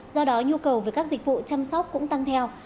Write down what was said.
do đó nhu cầu về các dịch vụ chăm sóc cũng tăng theo